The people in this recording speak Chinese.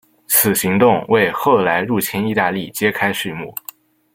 此行动为后来入侵义大利揭开续幕。